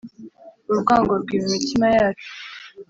urwango rwima imitima yacu